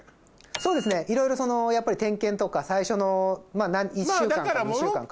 そうですねいろいろやっぱり点検とか最初の１週間か２週間か。